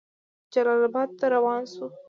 جلال آباد ته روان شو.